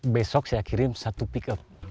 besok saya kirim satu pickup